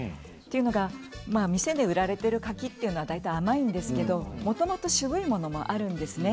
店で売られている柿というのは大体、甘いんですけれどもともと渋いものもあるんですね。